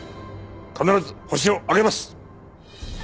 必ずホシを挙げます！